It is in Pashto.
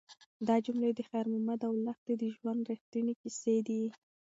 دا جملې د خیر محمد او لښتې د ژوند رښتونې کیسې دي.